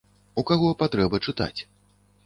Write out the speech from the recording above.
У каго патрэба чытаць.